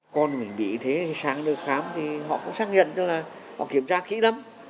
con mình bị thế sáng đưa khám thì họ cũng xác nhận cho là họ kiểm tra kỹ lắm